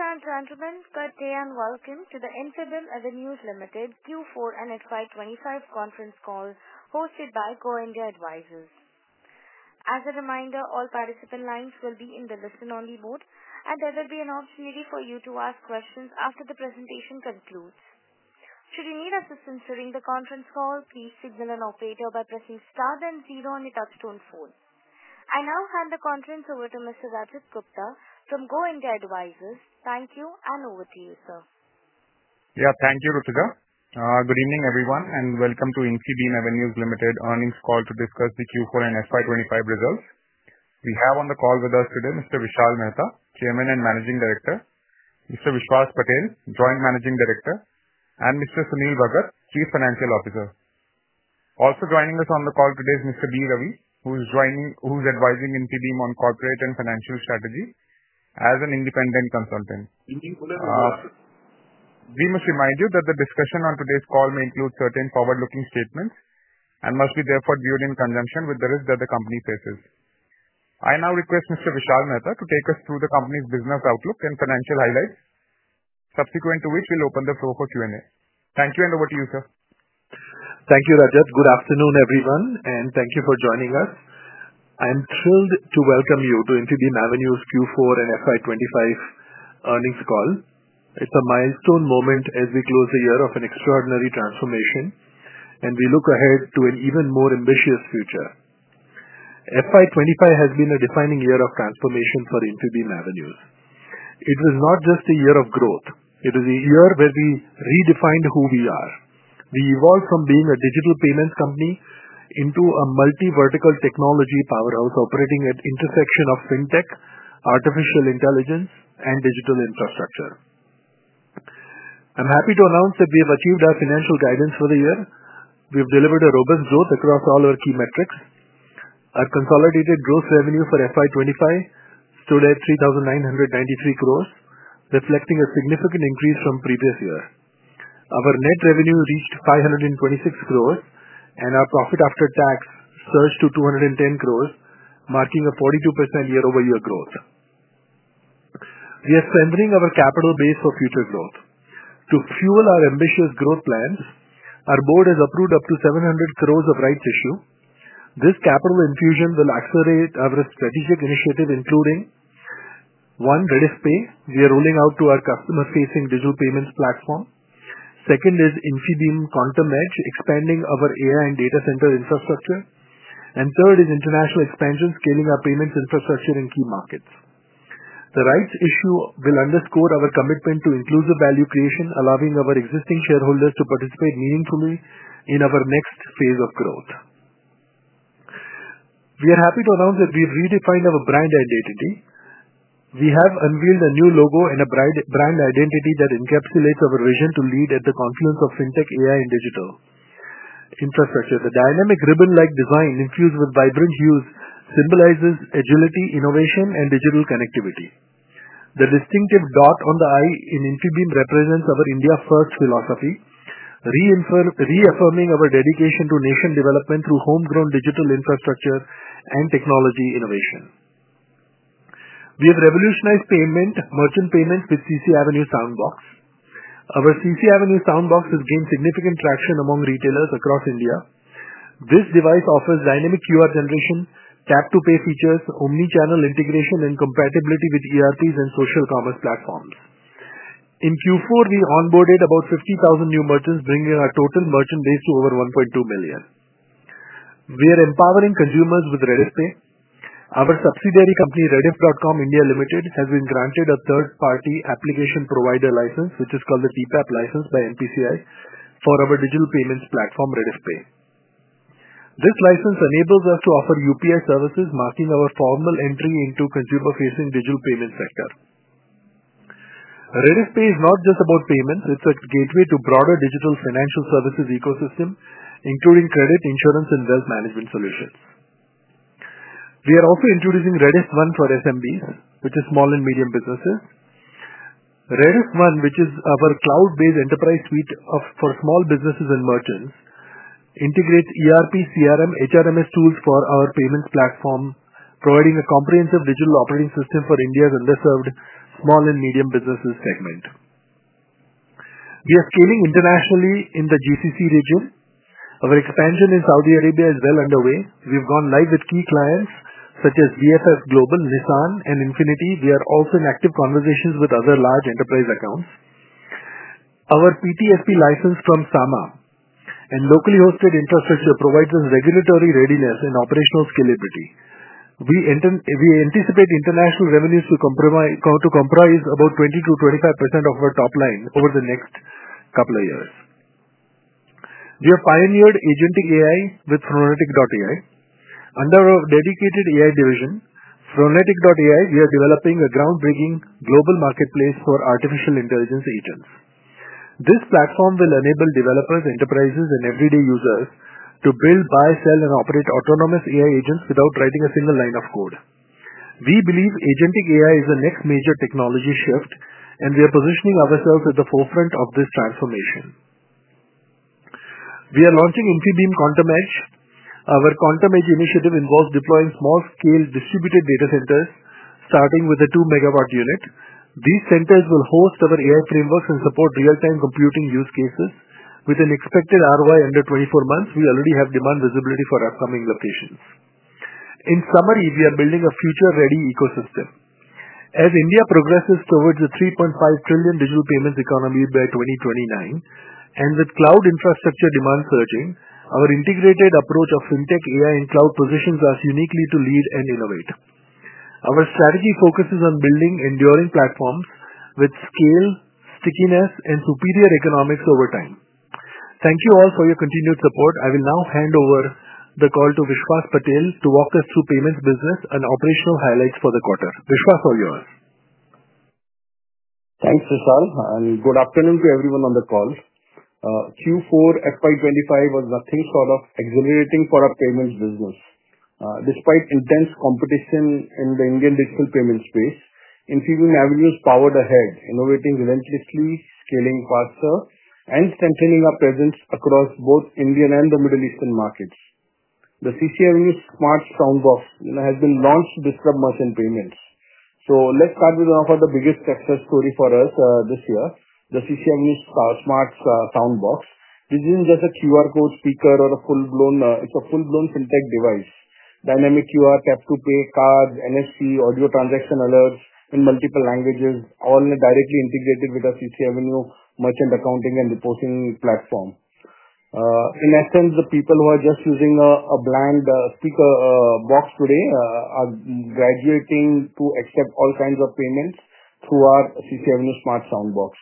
Ladies and gentlemen, good day and welcome to the Infibeam Avenues Limited Q4 and FY 2025 conference call hosted by Go India Advisors. As a reminder, all participant lines will be in the listen-only mode, and there will be an opportunity for you to ask questions after the presentation concludes. Should you need assistance during the conference call, please signal an operator by pressing star then zero on your touchstone phone. I now hand the conference over to Mr. Rajat Gupta from Go India Advisors. Thank you, and over to you, sir. Yeah, thank you, Rutika. Good evening, everyone, and welcome to Infibeam Avenues Limited earnings call to discuss the Q4 and FY 2025 results. We have on the call with us today Mr. Vishal Mehta, Chairman and Managing Director; Mr. Vishwas Patel, Joint Managing Director; and Mr. Sunil Bhagat, Chief Financial Officer. Also joining us on the call today is Mr. B. Ravi, who's advising Infibeam on corporate and financial strategy as an independent consultant. Indeed, good afternoon. We must remind you that the discussion on today's call may include certain forward-looking statements and must be therefore viewed in conjunction with the risk that the company faces. I now request Mr. Vishal Mehta to take us through the company's business outlook and financial highlights, subsequent to which we'll open the floor for Q&A. Thank you, and over to you, sir. Thank you, Rajith. Good afternoon, everyone, and thank you for joining us. I'm thrilled to welcome you to Infibeam Avenues Q4 and FY 2025 earnings call. It's a milestone moment as we close the year of an extraordinary transformation, and we look ahead to an even more ambitious future. FY 2025 has been a defining year of transformation for Infibeam Avenues. It was not just a year of growth; it was a year where we redefined who we are. We evolved from being a digital payments company into a multi-vertical technology powerhouse operating at the intersection of fintech, artificial intelligence, and digital infrastructure. I'm happy to announce that we have achieved our financial guidance for the year. We have delivered a robust growth across all our key metrics. Our consolidated gross revenue for FY 2025 stood at 3,993 crore, reflecting a significant increase from the previous year. Our net revenue reached 526 crore, and our profit after tax surged to 210 crore, marking a 42% year-over-year growth. We are strengthening our capital base for future growth. To fuel our ambitious growth plans, our board has approved up to 700 crore of rights issue. This capital infusion will accelerate our strategic initiative, including: one, Rediffpay, we are rolling out to our customer-facing digital payments platform; second is Infibeam Quantum Edge, expanding our AI and data center infrastructure; and third is international expansion, scaling our payments infrastructure in key markets. The rights issue will underscore our commitment to inclusive value creation, allowing our existing shareholders to participate meaningfully in our next phase of growth. We are happy to announce that we've redefined our brand identity. We have unveiled a new logo and a brand identity that encapsulates our vision to lead at the confluence of fintech, AI, and digital infrastructure. The dynamic ribbon-like design, infused with vibrant hues, symbolizes agility, innovation, and digital connectivity. The distinctive dot on the I in Infibeam represents our India First philosophy, reaffirming our dedication to nation development through homegrown digital infrastructure and technology innovation. We have revolutionized merchant payments with CCAvenue Soundbox. Our CCAvenue Soundbox has gained significant traction among retailers across India. This device offers dynamic QR generation, tap-to-pay features, omnichannel integration, and compatibility with ERPs and social commerce platforms. In Q4, we onboarded about 50,000 new merchants, bringing our total merchant base to over 1.2 million. We are empowering consumers with Rediffpay. Our subsidiary company, Rediff.com India Limited, has been granted a third-party application provider license, which is called the TPAP license by NPCI, for our digital payments platform, Rediffpay. This license enables us to offer UPI services, marking our formal entry into the consumer-facing digital payments sector. Rediffpay is not just about payments; it's a gateway to a broader digital financial services ecosystem, including credit, insurance, and wealth management solutions. We are also introducing RediffOne for SMBs, which is small and medium businesses. RediffOne, which is our cloud-based enterprise suite for small businesses and merchants, integrates ERP, CRM, and HRMS tools for our payments platform, providing a comprehensive digital operating system for India's underserved small and medium businesses segment. We are scaling internationally in the GCC region. Our expansion in Saudi Arabia is well underway. We've gone live with key clients such as BFF Global, Nissan, and Infinity. We are also in active conversations with other large enterprise accounts. Our PTFE license from SAMA and locally hosted infrastructure provides us regulatory readiness and operational scalability. We anticipate international revenues to comprise about 20%-25% of our top line over the next couple of years. We have pioneered agentic AI with Phronetic.ai. Under our dedicated AI division, Phronetic.ai, we are developing a groundbreaking global marketplace for artificial intelligence agents. This platform will enable developers, enterprises, and everyday users to build, buy, sell, and operate autonomous AI agents without writing a single line of code. We believe agentic AI is the next major technology shift, and we are positioning ourselves at the forefront of this transformation. We are launching Infibeam Quantum Edge. Our Quantum Edge initiative involves deploying small-scale distributed data centers, starting with a 2 MW unit. These centers will host our AI frameworks and support real-time computing use cases. With an expected ROI under 24 months, we already have demand visibility for upcoming locations. In summary, we are building a future-ready ecosystem. As India progresses towards a 3.5 trillion digital payments economy by 2029 and with cloud infrastructure demand surging, our integrated approach of fintech, AI, and cloud positions us uniquely to lead and innovate. Our strategy focuses on building enduring platforms with scale, stickiness, and superior economics over time. Thank you all for your continued support. I will now hand over the call to Vishwas Patel to walk us through payments business and operational highlights for the quarter. Vishwas, all yours. Thanks, Vishal. And good afternoon to everyone on the call. Q4 FY 2025 was nothing short of exhilarating for our payments business. Despite intense competition in the Indian digital payments space, Infibeam Avenues powered ahead, innovating relentlessly, scaling faster, and strengthening our presence across both Indian and the Middle Eastern markets. The CCAvenue Smart SoundBox has been launched to disrupt merchant payments. Let's start with one of the biggest success stories for us this year, the CCAvenue Smart SoundBox, which isn't just a QR code speaker or a full-blown, it's a full-blown fintech device. Dynamic QR, tap-to-pay, cards, NFC, audio transaction alerts in multiple languages, all directly integrated with our CCAvenue merchant accounting and depositing platform. In essence, the people who are just using a bland speaker box today are graduating to accept all kinds of payments through our CCAvenue Smart SoundBox.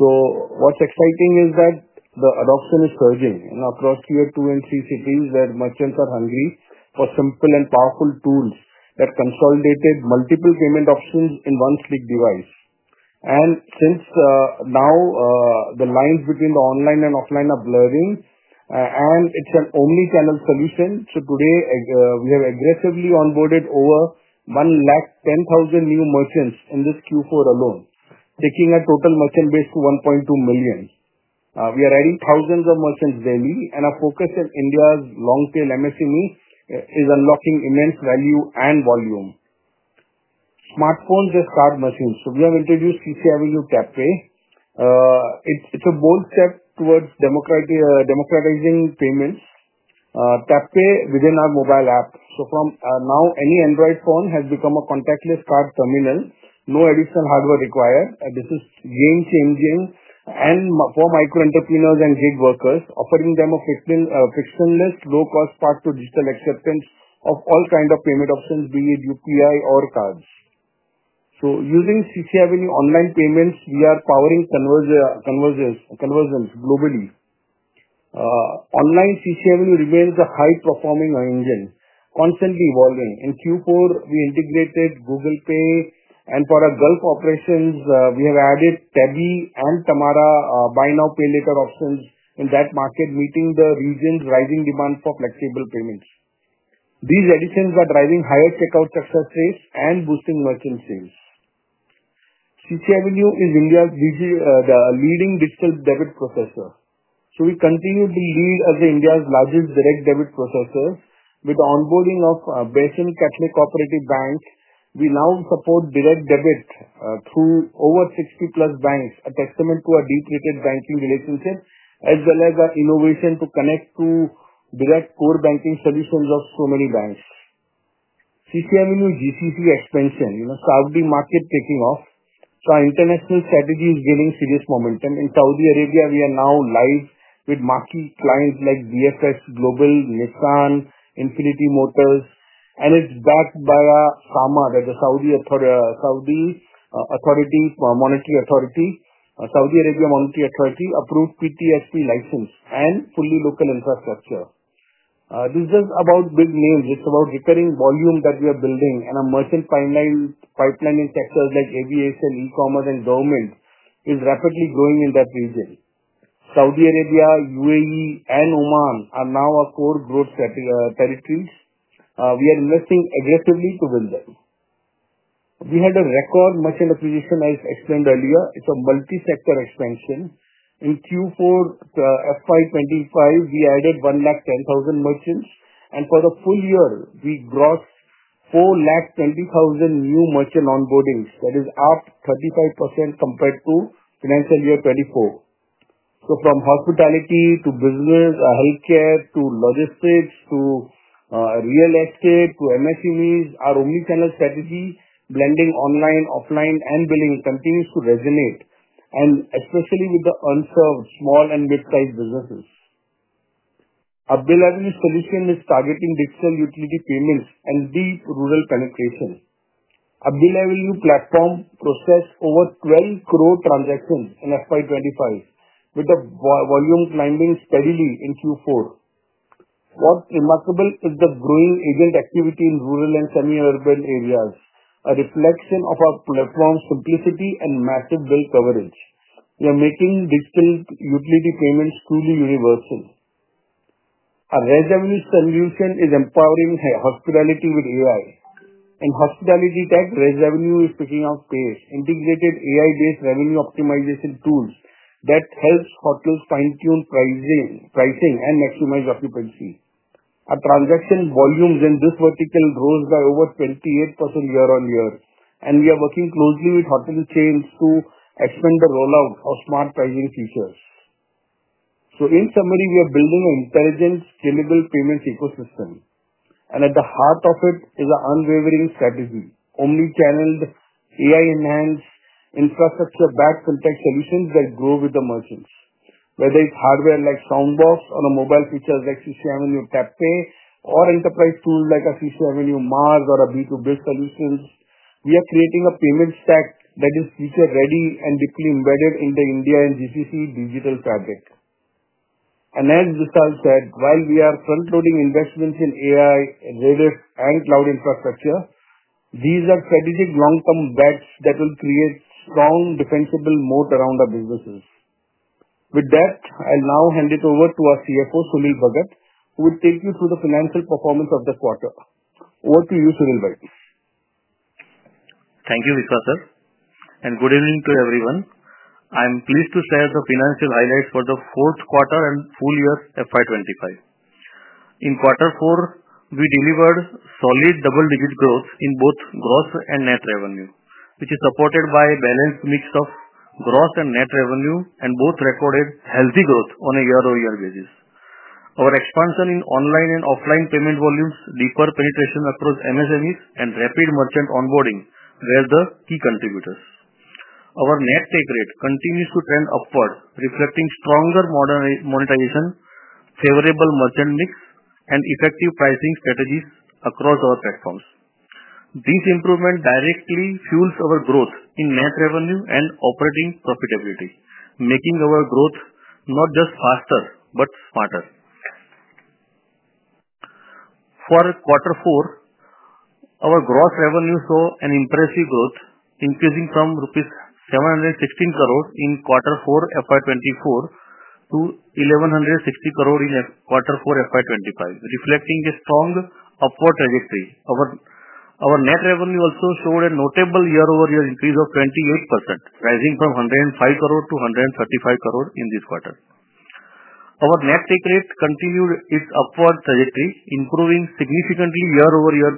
What's exciting is that the adoption is surging across tier two and three cities where merchants are hungry for simple and powerful tools that consolidate multiple payment options in one slick device. Since now the lines between the online and offline are blurring, and it's an omnichannel solution, today we have aggressively onboarded over 110,000 new merchants in this Q4 alone, taking our total merchant base to 1.2 million. We are adding thousands of merchants daily, and our focus in India's long-tail MSME is unlocking immense value and volume. Smartphones are card machines, so we have introduced CCAvenue TapPay. It's a bold step towards democratizing payments. TapPay within our mobile app. From now, any Android phone has become a contactless card terminal, no additional hardware required. This is game-changing for microentrepreneurs and gig workers, offering them a frictionless, low-cost path to digital acceptance of all kinds of payment options, be it UPI or cards. Using CC Avenue online payments, we are powering conversions globally. Online CC Avenue remains a high-performing engine, constantly evolving. In Q4, we integrated Google Pay, and for our Gulf operations, we have added Tabby and Tamara Buy Now Pay Later options in that market, meeting the region's rising demand for flexible payments. These additions are driving higher checkout success rates and boosting merchant sales. CC Avenue is India's leading digital debit processor. We continue to lead as India's largest direct debit processor. With the onboarding of Basin Catholic Cooperative Bank, we now support direct debit through over 60+ banks, a testament to our deep-rooted banking relationship, as well as our innovation to connect to direct core banking solutions of so many banks. CC Avenue GCC expansion, Saudi market taking off, our international strategy is gaining serious momentum. In Saudi Arabia, we are now live with marquee clients like BFF Global, Nissan, Infinity Motors, and it is backed by SAMA, the Saudi Arabian Monetary Authority, approved PTFE license and fully local infrastructure. This is not about big names; it is about recurring volume that we are building, and our merchant pipelining sectors like aviation, e-commerce, and government are rapidly growing in that region. Saudi Arabia, UAE, and Oman are now our core growth territories. We are investing aggressively to build them. We had a record merchant acquisition, as explained earlier. It's a multi-sector expansion. In Q4 2025, we added 110,000 merchants, and for the full year, we grossed 420,000 new merchant onboardings. That is up 35% compared to financial year 2024. From hospitality to business, healthcare to logistics to real estate to MSMEs, our omnichannel strategy, blending online, offline, and billing, continues to resonate, especially with the unserved small and mid-sized businesses. Our Bill Avenue solution is targeting digital utility payments and deep rural penetration. Our Bill Avenue platform processed over 120 million transactions in 2025, with the volume climbing steadily in Q4. What's remarkable is the growing agent activity in rural and semi-urban areas, a reflection of our platform's simplicity and massive bill coverage. We are making digital utility payments truly universal. Our revenue solution is empowering hospitality with AI. In hospitality tech, revenue is picking up pace, integrated AI-based revenue optimization tools that help hotels fine-tune pricing and maximize occupancy. Our transaction volumes in this vertical rose by over 28% year-on-year, and we are working closely with hotel chains to expand the rollout of smart pricing features. In summary, we are building an intelligent, scalable payments ecosystem, and at the heart of it is an unwavering strategy: omnichanneled, AI-enhanced, infrastructure-backed fintech solutions that grow with the merchants. Whether it's hardware like CC Avenue Smart Soundbox or mobile features like CC Avenue TapPay or enterprise tools like CC Avenue Mars or B2B solutions, we are creating a payment stack that is feature-ready and deeply embedded in the India and GCC digital fabric. As Vishal said, while we are front-loading investments in AI, Rediff, and cloud infrastructure, these are strategic long-term bets that will create strong defensible moat around our businesses. With that, I'll now hand it over to our CFO, Sunil Bhagat, who will take you through the financial performance of the quarter. Over to you, Sunil Bhagat. Thank you, Vishwas Sir. Good evening to everyone. I'm pleased to share the financial highlights for the fourth quarter and full year 2025. In quarter four, we delivered solid double-digit growth in both gross and net revenue, which is supported by a balanced mix of gross and net revenue, and both recorded healthy growth on a year-over-year basis. Our expansion in online and offline payment volumes, deeper penetration across MSMEs, and rapid merchant onboarding were the key contributors. Our net take rate continues to trend upward, reflecting stronger monetization, favorable merchant mix, and effective pricing strategies across our platforms. These improvements directly fuel our growth in net revenue and operating profitability, making our growth not just faster but smarter. For quarter four, our gross revenue saw an impressive growth, increasing from 716 crore rupees in quarter four 2024 to 1,160 crore in quarter four 2025, reflecting a strong upward trajectory. Our net revenue also showed a notable year-over-year increase of 28%, rising from 105 crore to 135 crore in this quarter. Our net take rate continued its upward trajectory, improving significantly year-over-year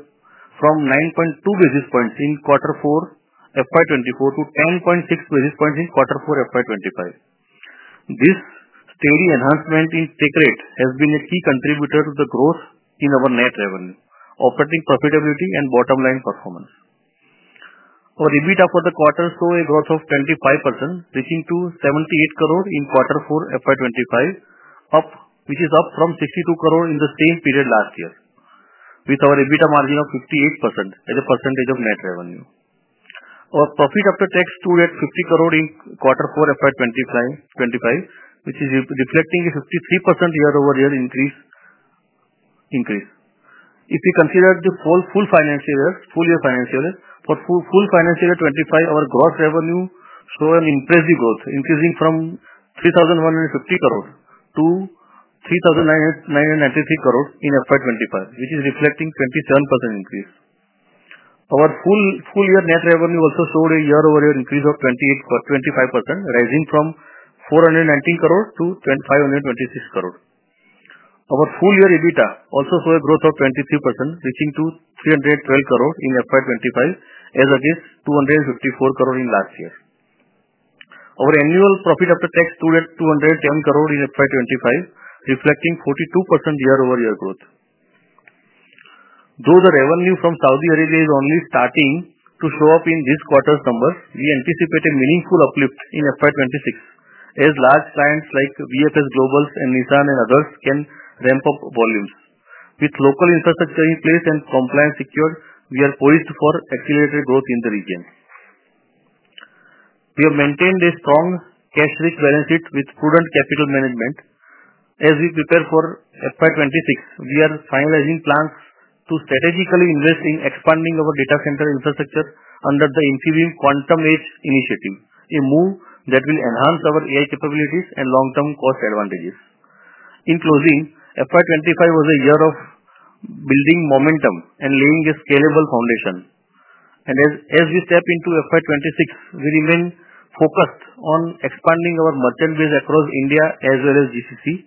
from 9.2 basis points in quarter four 2024 to 10.6 basis points in quarter four 2025. This steady enhancement in take rate has been a key contributor to the growth in our net revenue, affecting profitability and bottom-line performance. Our EBITDA for the quarter saw a growth of 25%, reaching 78 crore in quarter four 2025, which is up from 62 crore in the same period last year, with our EBITDA margin of 58% as a percentage of net revenue. Our profit after tax stood at 50 crore in quarter four 2025, which is reflecting a 53% year-over-year increase. If we consider the full year financial year, for full financial year 2025, our gross revenue saw an impressive growth, increasing from 3,150 crore to 3,993 crore in 2025, which is reflecting a 27% increase. Our full year net revenue also showed a year-over-year increase of 25%, rising from 419 crore to 526 crore. Our full year EBITDA also saw a growth of 23%, reaching to 312 crore in 2025, as against 254 crore in last year. Our annual profit after tax stood at 210 crore in 2025, reflecting a 42% year-over-year growth. Though the revenue from Saudi Arabia is only starting to show up in this quarter's numbers, we anticipate a meaningful uplift in 2026, as large clients like BFF Global and Nissan and others can ramp up volumes. With local infrastructure in place and compliance secured, we are poised for accelerated growth in the region. We have maintained a strong cash-rich balance sheet with prudent capital management. As we prepare for FY 2026, we are finalizing plans to strategically invest in expanding our data center infrastructure under the Infibeam Quantum Edge initiative, a move that will enhance our AI capabilities and long-term cost advantages. In closing, FY 2025 was a year of building momentum and laying a scalable foundation. As we step into FY 2026, we remain focused on expanding our merchant base across India as well as GCC,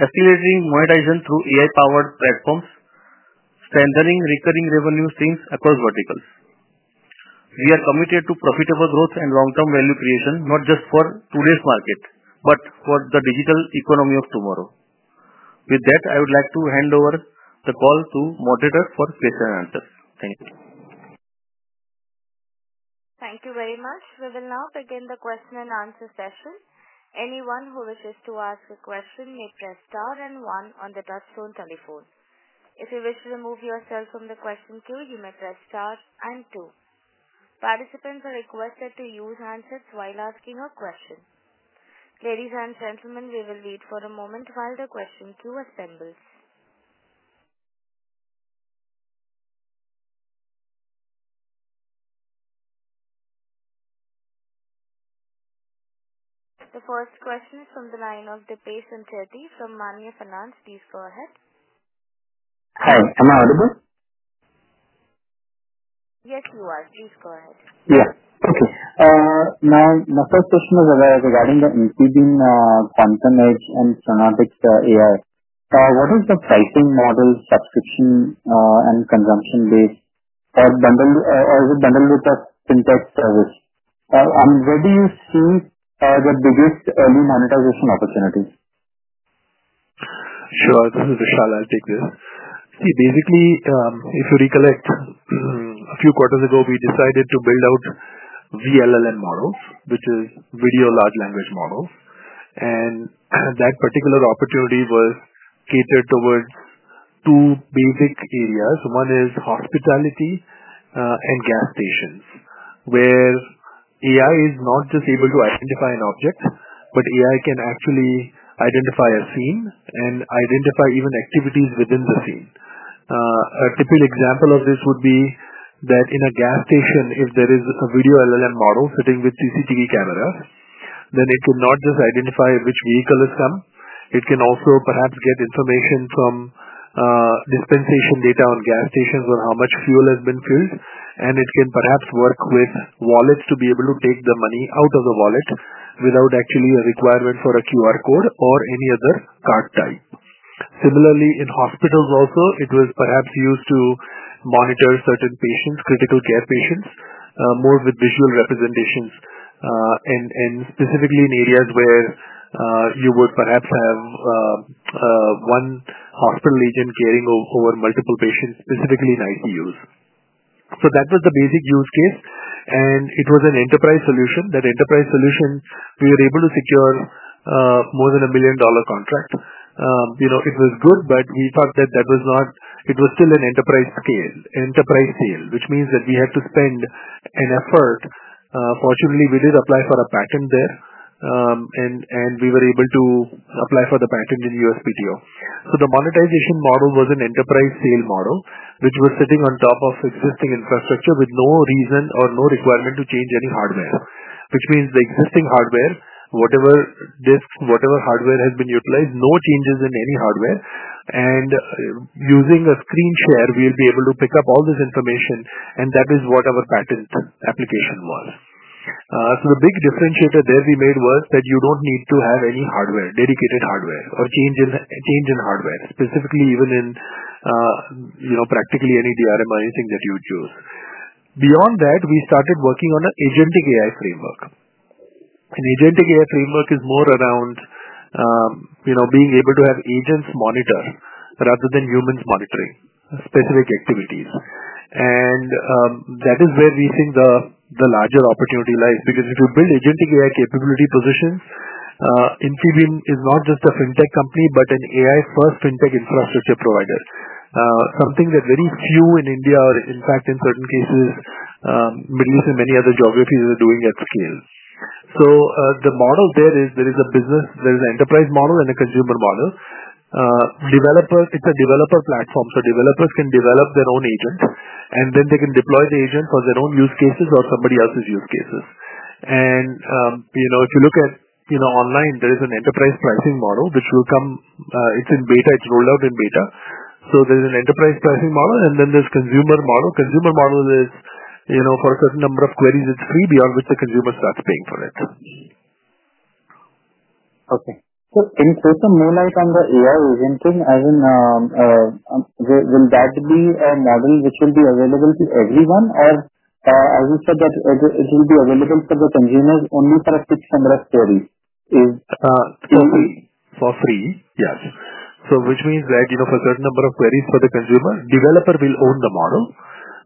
accelerating monetization through AI-powered platforms, strengthening recurring revenue streams across verticals. We are committed to profitable growth and long-term value creation, not just for today's market but for the digital economy of tomorrow. With that, I would like to hand over the call to moderators for questions and answers. Thank you. Thank you very much. We will now begin the question and answer session. Anyone who wishes to ask a question may press star and one on the touchstone telephone. If you wish to remove yourself from the question queue, you may press star and two. Participants are requested to use handsets while asking a question. Ladies and gentlemen, we will wait for a moment while the question queue assembles. The first question is from the line of Deepesh Sancheti from Maanya Finance. Please go ahead. Hi, am I audible? Yes, you are. Please go ahead. Yeah. Okay. Now, my first question is regarding the Infibeam Quantum Edge and Soniox AI. What is the pricing model, subscription, and consumption base? Is it bundled with a fintech service? Where do you see the biggest early monetization opportunities? Sure. This is Vishal. I'll take this. See, basically, if you recollect, a few quarters ago, we decided to build out VLLM models, which is video large language models. That particular opportunity was catered towards two basic areas. One is hospitality and gas stations, where AI is not just able to identify an object, but AI can actually identify a scene and identify even activities within the scene. A typical example of this would be that in a gas station, if there is a video LLM model sitting with CCTV cameras, then it cannot just identify which vehicle has come. It can also perhaps get information from dispensation data on gas stations on how much fuel has been filled. It can perhaps work with wallets to be able to take the money out of the wallet without actually a requirement for a QR code or any other card type. Similarly, in hospitals also, it was perhaps used to monitor certain patients, critical care patients, more with visual representations, and specifically in areas where you would perhaps have one hospital agent caring over multiple patients, specifically in ICUs. That was the basic use case. It was an enterprise solution. That enterprise solution, we were able to secure more than a $1 million contract. It was good, but we thought that that was not it was still an enterprise sale, which means that we had to spend an effort. Fortunately, we did apply for a patent there, and we were able to apply for the patent in USPTO. The monetization model was an enterprise sale model, which was sitting on top of existing infrastructure with no reason or no requirement to change any hardware, which means the existing hardware, whatever discs, whatever hardware has been utilized, no changes in any hardware. Using a screen share, we'll be able to pick up all this information. That is what our patent application was. The big differentiator there we made was that you do not need to have any hardware, dedicated hardware, or change in hardware, specifically even in practically any DRM or anything that you would choose. Beyond that, we started working on an agentic AI framework. An agentic AI framework is more around being able to have agents monitor rather than humans monitoring specific activities. That is where we think the larger opportunity lies because if you build agentic AI capability positions, Infibeam is not just a fintech company but an AI-first fintech infrastructure provider, something that very few in India or, in fact, in certain cases, Middle East and many other geographies are doing at scale. The model there is there is a business, there is an enterprise model, and a consumer model. It's a developer platform. Developers can develop their own agent, and then they can deploy the agent for their own use cases or somebody else's use cases. If you look at online, there is an enterprise pricing model, which will come, it's in beta. It's rolled out in beta. There is an enterprise pricing model, and then there's a consumer model. Consumer model is, for a certain number of queries, it's free, beyond which the consumer starts paying for it. Okay. So in case of Moonlight and the AI agenting, will that be a model which will be available to everyone, or as you said, that it will be available for the consumers only for a fixed number of queries? For free, yes. Which means that for a certain number of queries for the consumer, the developer will own the model,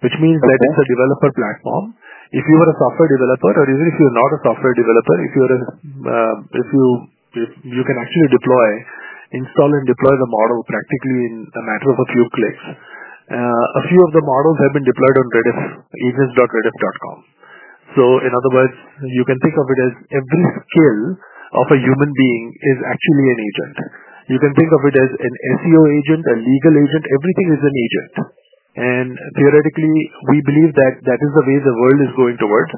which means that it's a developer platform. If you are a software developer, or even if you're not a software developer, if you can actually deploy, install, and deploy the model practically in a matter of a few clicks, a few of the models have been deployed on agents.Rediff.com. In other words, you can think of it as every skill of a human being is actually an agent. You can think of it as an SEO agent, a legal agent. Everything is an agent. Theoretically, we believe that that is the way the world is going towards.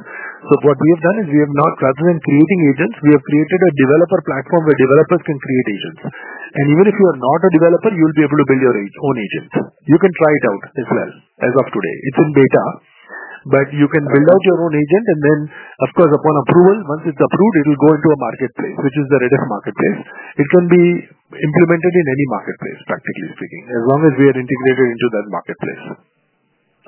What we have done is we have, rather than creating agents, created a developer platform where developers can create agents. Even if you are not a developer, you'll be able to build your own agent. You can try it out as well as of today. It's in beta, but you can build out your own agent. Of course, upon approval, once it's approved, it'll go into a marketplace, which is the Rediff marketplace. It can be implemented in any marketplace, practically speaking, as long as we are integrated into that marketplace.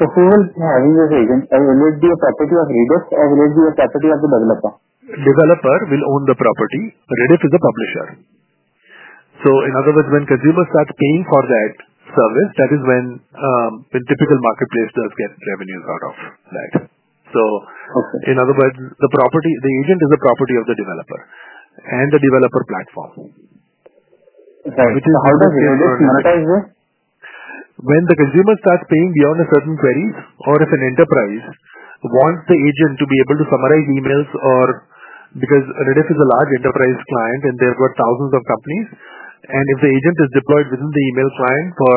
Who will own this agent? Will it be a property of Rediff, or will it be a property of the developer? Developer will own the property. Rediff is a publisher. In other words, when consumers start paying for that service, that is when a typical marketplace does get revenues out of that. In other words, the agent is a property of the developer and the developer platform. Right. How does Rediff monetize this? When the consumer starts paying beyond a certain query, or if an enterprise wants the agent to be able to summarize emails or because Rediff is a large enterprise client, and there are thousands of companies. If the agent is deployed within the email client for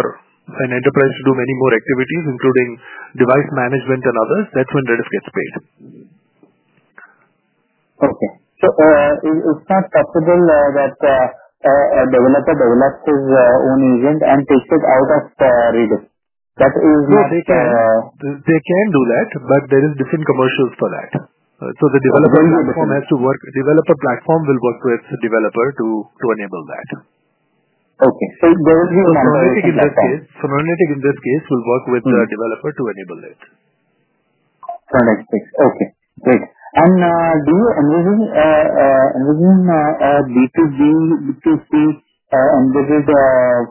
an enterprise to do many more activities, including device management and others, that's when Rediff gets paid. Okay. So it's not possible that a developer develops his own agent and takes it out of Rediff. That is not. No, they can do that, but there are different commercials for that. The developer platform has to work. Developer platform will work with the developer to enable that. Okay. There will be a monetization. In this case, monetization in this case will work with the developer to enable it. Perfect. Okay. Great. Do you envision a B2C embedded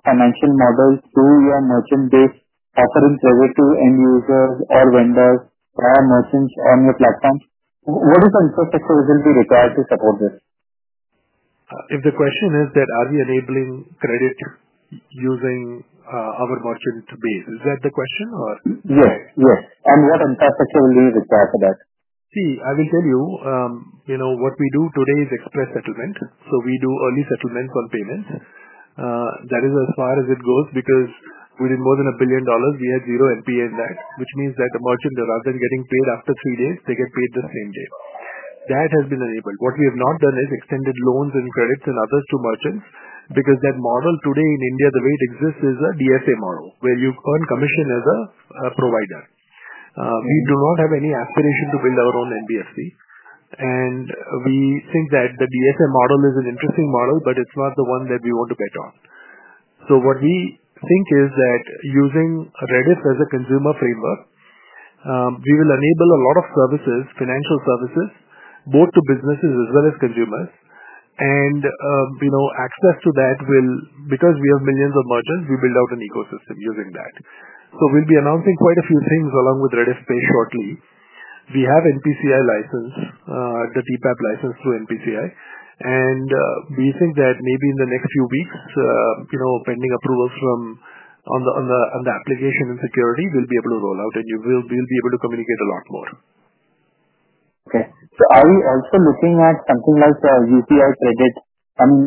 financial model through your merchant base offering credit to end users or vendors or merchants on your platform? What is the infrastructure that will be required to support this? If the question is that, are we enabling credit using our merchant base? Is that the question, or? Yes. Yes. What infrastructure will be required for that? See, I will tell you. What we do today is express settlement. We do early settlements on payments. That is as far as it goes because within more than $1 billion, we had zero NPA in that, which means that a merchant, rather than getting paid after three days, they get paid the same day. That has been enabled. What we have not done is extended loans and credits and others to merchants because that model today in India, the way it exists is a DSA model where you earn commission as a provider. We do not have any aspiration to build our own NBFC. We think that the DSA model is an interesting model, but it is not the one that we want to bet on. What we think is that using Rediff as a consumer framework, we will enable a lot of services, financial services, both to businesses as well as consumers. Access to that will, because we have millions of merchants, we build out an ecosystem using that. We will be announcing quite a few things along with Rediff Pay shortly. We have the NPCI license, the TPAP license through NPCI. We think that maybe in the next few weeks, pending approvals on the application and security, we will be able to roll out, and you will be able to communicate a lot more. Okay. So are we also looking at something like UPI credit? I mean,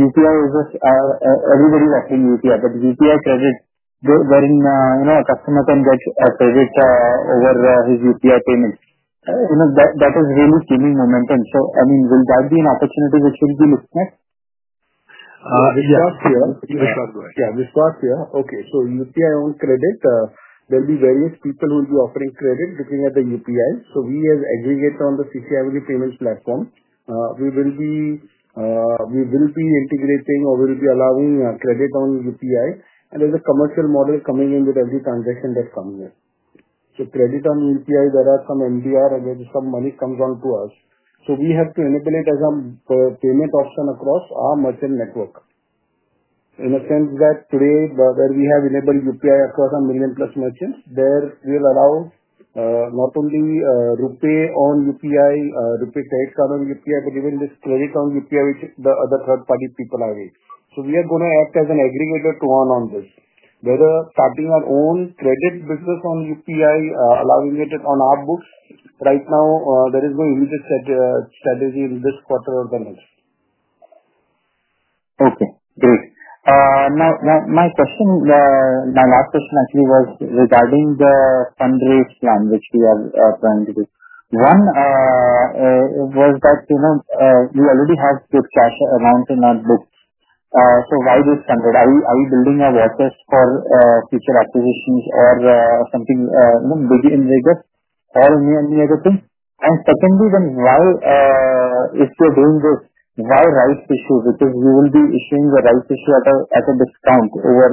UPI is just everybody's offering UPI, but UPI credit wherein a customer can get a credit over his UPI payment. That is really gaining momentum. I mean, will that be an opportunity which we'll be looking at? Yeah. Vishwas here. Vishwas, go ahead. Yeah. Vishwas here. Okay. UPI-owned credit, there'll be various people who will be offering credit looking at the UPI. We have aggregated on the CCAvenue Payments platform. We will be integrating or we'll be allowing credit on UPI. There's a commercial model coming in with every transaction that comes in. Credit on UPI, there are some MDR, and there's some money that comes on to us. We have to enable it as a payment option across our merchant network in a sense that today, where we have enabled UPI across a million-plus merchants, there we'll allow not only Rupee-owned UPI, Rupee credit card-owned UPI, but even this credit-owned UPI, which the other third-party people are in. We are going to act as an aggregator to one on this, whether starting our own credit business on UPI, allowing it on our books. Right now, there is no immediate strategy in this quarter or the next. Okay. Great. Now, my question, my last question actually was regarding the fundraise plan, which we are trying to do. One was that we already have good cash amount in our books. So why this fundraise? Are we building a watershed for future acquisitions or something big in Vegas or any other thing? Secondly, then why, if you're doing this, why rights issue? Because you will be issuing the rights issue at a discount over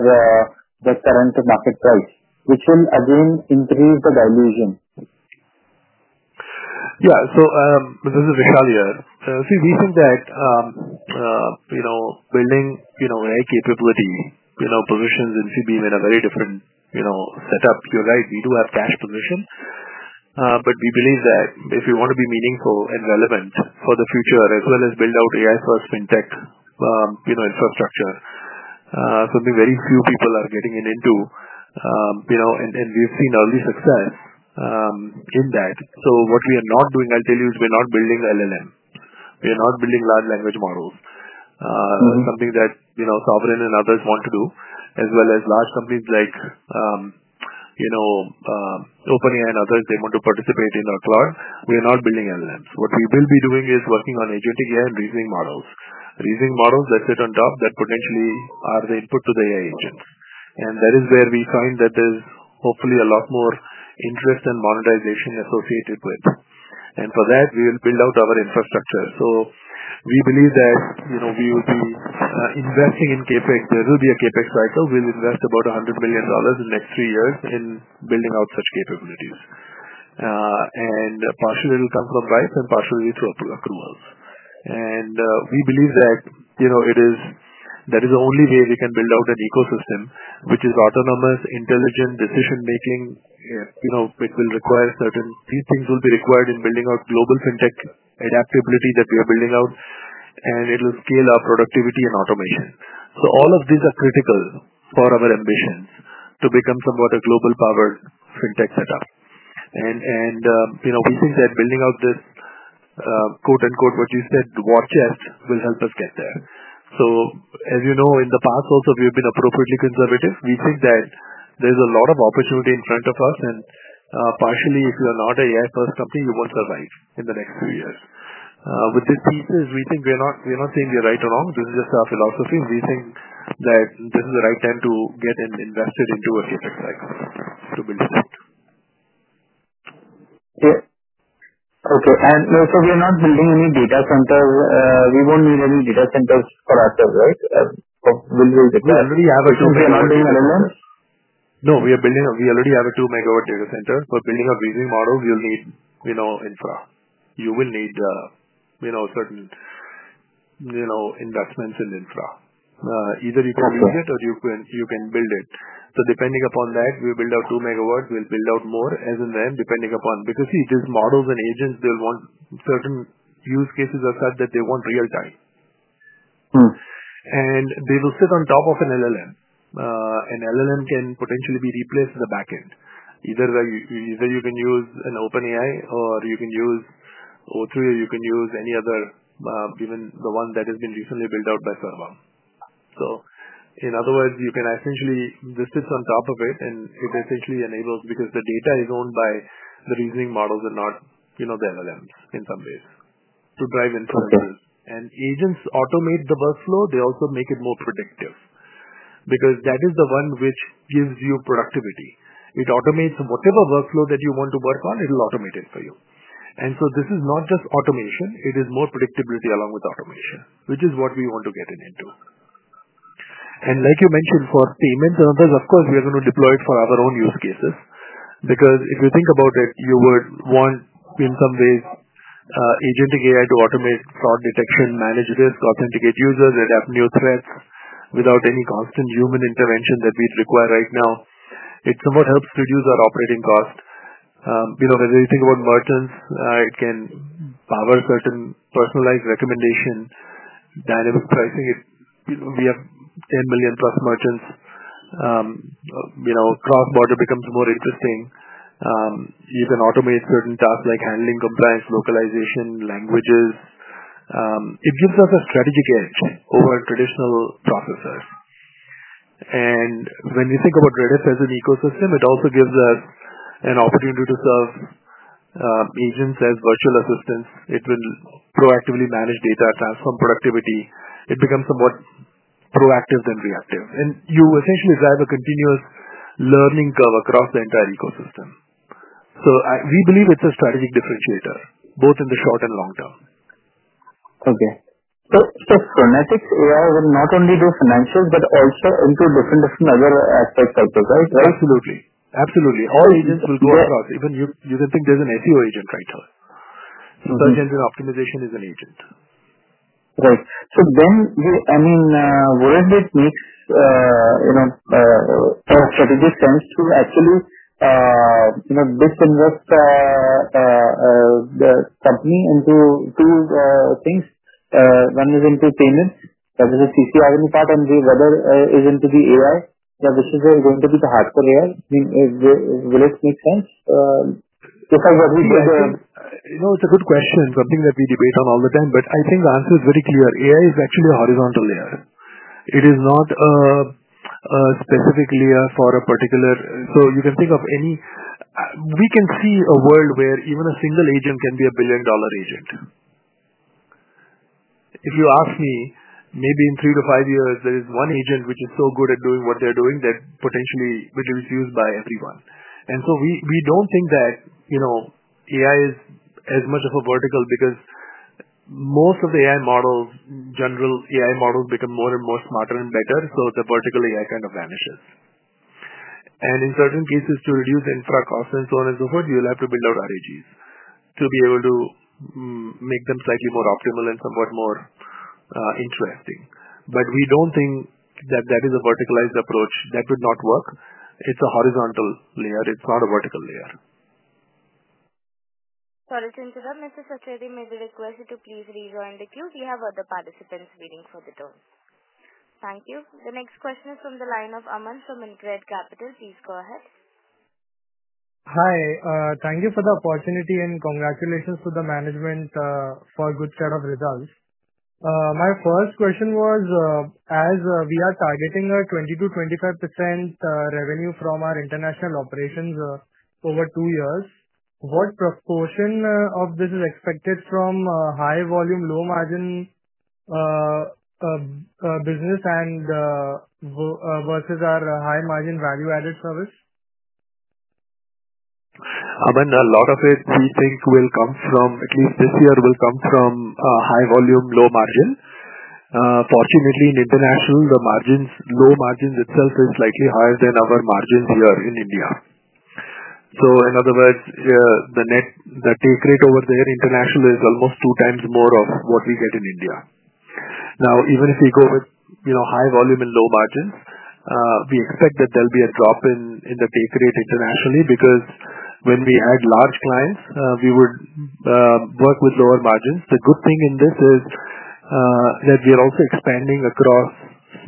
the current market price, which will, again, increase the dilution. Yeah. This is Vishal here. See, we think that building AI capability positions Infibeam in a very different setup. You're right. We do have cash position. We believe that if we want to be meaningful and relevant for the future, as well as build out AI-first fintech infrastructure, something very few people are getting into. We've seen early success in that. What we are not doing, I'll tell you, is we're not building LLM. We are not building large language models, something that Sovereign and others want to do, as well as large companies like OpenAI and others. They want to participate in our cloud. We are not building LLMs. What we will be doing is working on agentic AI and reasoning models, reasoning models that sit on top that potentially are the input to the AI agents. That is where we find that there's hopefully a lot more interest and monetization associated with. For that, we will build out our infrastructure. We believe that we will be investing in CapEx. There will be a CapEx cycle. We'll invest about $100 million in the next three years in building out such capabilities. Partially, it'll come from Rife, and partially, through accruals. We believe that is the only way we can build out an ecosystem which is autonomous, intelligent, decision-making. It will require certain things in building out global fintech adaptability that we are building out, and it will scale our productivity and automation. All of these are critical for our ambitions to become somewhat a global-powered fintech setup. We think that building out this, quote-unquote, what you said, watershed, will help us get there. As you know, in the past also, we have been appropriately conservative. We think that there is a lot of opportunity in front of us. Partially, if you are not an AI-first company, you will not survive in the next few years. With these pieces, we think we are not saying they are right or wrong. This is just our philosophy. We think that this is the right time to get invested into a CapEx cycle to build it out. Okay. We are not building any data centers. We will not need any data centers for ourselves, right? Will we get that? We already have a 2 MW. We are not doing LLMs? No, we are building a, we already have a 2 MW data center. Building a reasoning model, you'll need infra. You will need certain investments in infra. Either you can use it, or you can build it. Depending upon that, we'll build out 2 MW. We'll build out more as and when, depending upon, because, see, these models and agents, they'll want, certain use cases are such that they want real-time. They will sit on top of an LLM. An LLM can potentially be replaced in the backend. Either you can use an OpenAI, or you can use O3, or you can use any other, even the one that has been recently built out by Server. In other words, you can essentially, this sits on top of it, and it essentially enables because the data is owned by the reasoning models and not the LLMs in some ways to drive input and use. And agents automate the workflow. They also make it more predictive because that is the one which gives you productivity. It automates whatever workflow that you want to work on. It'll automate it for you. This is not just automation. It is more predictability along with automation, which is what we want to get into. Like you mentioned, for payments and others, of course, we are going to deploy it for our own use cases. Because if you think about it, you would want, in some ways, agentic AI to automate fraud detection, manage risk, authenticate users, adapt new threats without any constant human intervention that we'd require right now. It somewhat helps reduce our operating cost. Whether you think about merchants, it can power certain personalized recommendation, dynamic pricing. We have 10 million+ merchants. Cross-border becomes more interesting. You can automate certain tasks like handling compliance, localization, languages. It gives us a strategic edge over traditional processes. When you think about Rediff as an ecosystem, it also gives us an opportunity to serve agents as virtual assistants. It will proactively manage data, transform productivity. It becomes somewhat proactive than reactive. You essentially drive a continuous learning curve across the entire ecosystem. We believe it's a strategic differentiator, both in the short and long term. Okay. So Phronetic.ai will not only do financials but also into different, different other aspects of this, right? Absolutely. Absolutely. All agents will go across. Even you can think there's an SEO agent right here. Search engine optimization is an agent. Right. So then I mean, wouldn't it make a strategic sense to actually disinvest the company into two things? One is into payments. That is the CCAvenue part. And the other is into the AI. This is going to be the hardcore layer. I mean, will it make sense? Vishwas, what would you say? No, it's a good question. Something that we debate on all the time. I think the answer is very clear. AI is actually a horizontal layer. It is not a specific layer for a particular, so you can think of any, we can see a world where even a single agent can be a billion-dollar agent. If you ask me, maybe in three to five years, there is one agent which is so good at doing what they're doing that potentially will be used by everyone. We do not think that AI is as much of a vertical because most of the AI models, general AI models, become more and more smarter and better. The vertical AI kind of vanishes. In certain cases, to reduce infra costs and so on and so forth, you'll have to build out RAGs to be able to make them slightly more optimal and somewhat more interesting. We don't think that that is a verticalized approach. That would not work. It's a horizontal layer. It's not a vertical layer. Sorry to interrupt. Mr. Sancheti made a request to please rejoin the queue. We have other participants waiting for their turn. Thank you. The next question is from the line of Aman from InCred Capital. Please go ahead. Hi. Thank you for the opportunity and congratulations to the management for a good set of results. My first question was, as we are targeting a 20%-25% revenue from our international operations over two years, what proportion of this is expected from high-volume, low-margin business versus our high-margin value-added service? Aman, a lot of it we think will come from at least this year will come from high-volume, low-margin. Fortunately, in international, the low margins itself is slightly higher than our margins here in India. In other words, the take rate over there international is almost two times more of what we get in India. Now, even if we go with high volume and low margins, we expect that there'll be a drop in the take rate internationally because when we add large clients, we would work with lower margins. The good thing in this is that we are also expanding across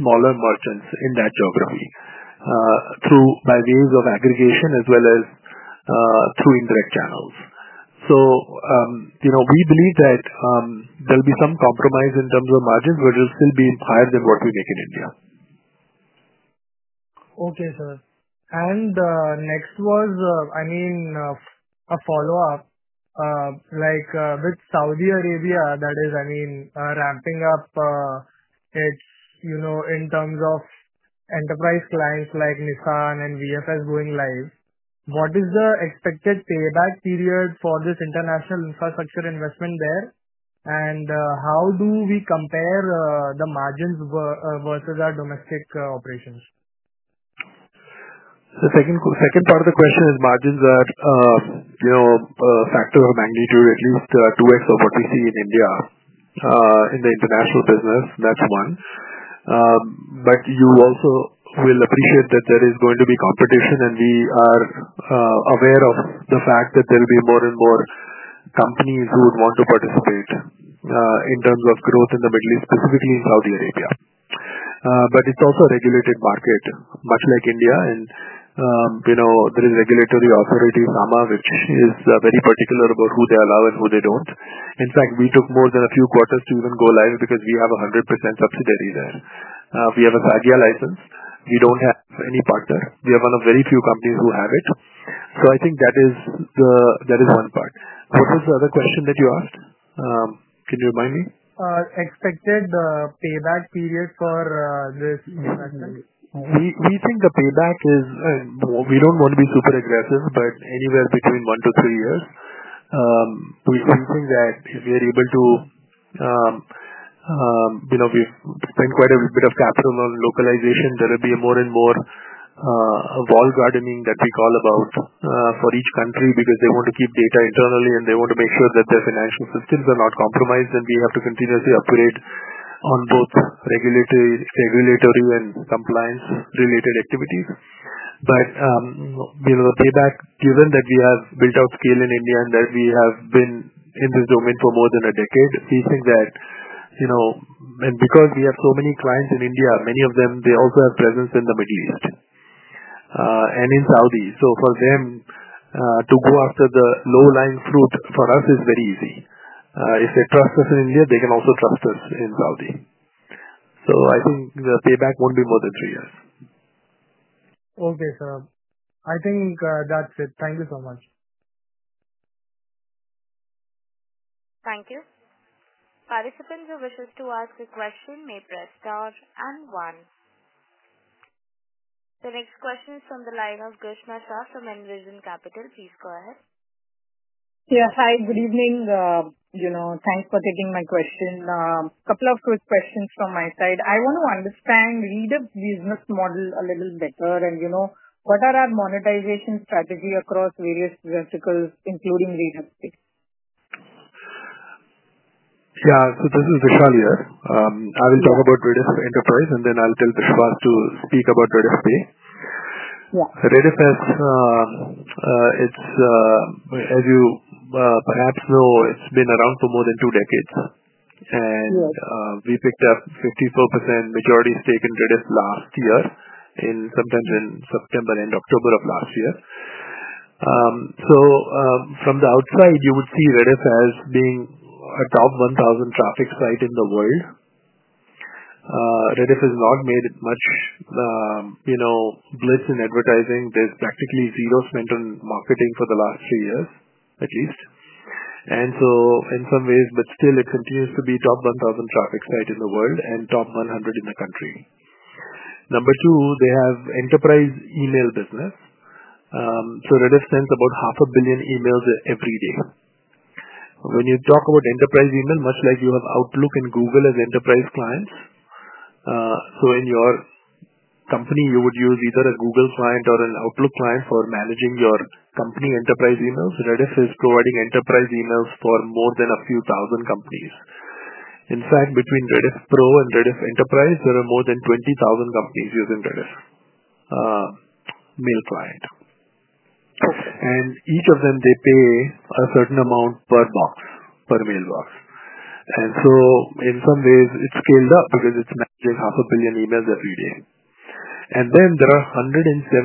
smaller merchants in that geography by ways of aggregation as well as through indirect channels. We believe that there'll be some compromise in terms of margins, but it'll still be higher than what we make in India. Okay, sir. Next was, I mean, a follow-up with Saudi Arabia that is, I mean, ramping up its in terms of enterprise clients like Nissan and VFS going live. What is the expected payback period for this international infrastructure investment there? How do we compare the margins versus our domestic operations? The second part of the question is margins are a factor of magnitude, at least 2x of what we see in India in the international business. That's one. You also will appreciate that there is going to be competition, and we are aware of the fact that there'll be more and more companies who would want to participate in terms of growth in the Middle East, specifically in Saudi Arabia. It's also a regulated market, much like India. There is regulatory authority, SAMA, which is very particular about who they allow and who they don't. In fact, we took more than a few quarters to even go live because we have a 100% subsidiary there. We have a SAGIA license. We don't have any partner. We are one of very few companies who have it. I think that is one part. What was the other question that you asked? Can you remind me? Expected payback period for this infrastructure? We think the payback is we don't want to be super aggressive, but anywhere between one to three years. We think that if we are able to, we've spent quite a bit of capital on localization. There'll be more and more wall gardening that we call about for each country because they want to keep data internally, and they want to make sure that their financial systems are not compromised. We have to continuously upgrade on both regulatory and compliance-related activities. The payback, given that we have built out scale in India and that we have been in this domain for more than a decade, we think that, and because we have so many clients in India, many of them, they also have presence in the Middle East and in Saudi. For them to go after the low-lying fruit, for us, is very easy. If they trust us in India, they can also trust us in Saudi. I think the payback won't be more than three years. Okay, sir. I think that's it. Thank you so much. Thank you. Participants who wish to ask a question may press star and one. The next question is from the line of Grishma Shah from Envision Capital. Please go ahead. Yeah. Hi. Good evening. Thanks for taking my question. A couple of quick questions from my side. I want to understand Rediff's business model a little better. What are our monetization strategies across various verticals, including Rediff? Yeah. This is Vishal here. I will talk about Rediff Enterprise, and then I'll tell Vishwas to speak about Rediff Pay. Rediff, as you perhaps know, it's been around for more than two decades. We picked up 54% majority stake in Rediff last year, sometime in September and October of last year. From the outside, you would see Rediff as being a top 1,000 traffic site in the world. Rediff has not made much blitz in advertising. There's practically zero spent on marketing for the last three years, at least. In some ways, it continues to be top 1,000 traffic site in the world and top 100 in the country. Number two, they have enterprise email business. Rediff sends about 500 million emails every day. When you talk about enterprise email, much like you have Outlook and Google as enterprise clients. In your company, you would use either a Google client or an Outlook client for managing your company enterprise emails. Rediff is providing enterprise emails for more than a few thousand companies. In fact, between Rediff Pro and Rediff Enterprise, there are more than 20,000 companies using Rediff mail client. Each of them, they pay a certain amount per box, per mailbox. In some ways, it is scaled up because it emails every day. There are